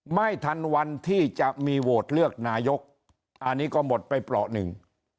ไม่ทันวันที่จะมีโหวตเลือกนายกอันนี้ก็หมดไปเปราะหนึ่ง